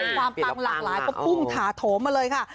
ความปังหลากหลายก็พุ่งถาโถมมาเลยค่ะ